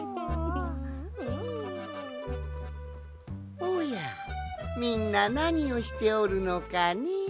おやみんななにをしておるのかね？